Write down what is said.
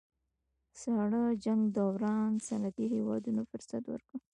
ساړه جنګ دوران صنعتي هېوادونو فرصت ورکړ